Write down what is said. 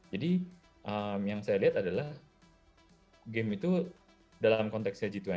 jadi yang saya lihat adalah game itu dalam konteksnya g dua puluh